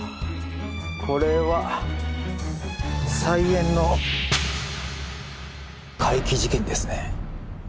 これは菜園の怪奇事件ですね。